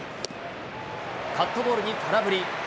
カットボールに空振り。